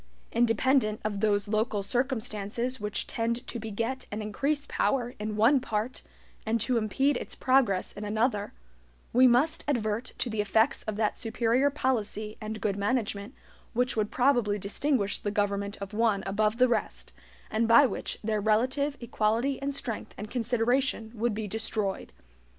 Independent of those local circumstances which tend to beget and increase power in one part and to impede its progress in another, we must advert to the effects of that superior policy and good management which would probably distinguish the government of one above the rest, and by which their relative equality in strength and consideration would be destroyed.